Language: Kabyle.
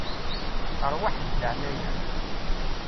Ṛwaḥ di leƐnaya-m.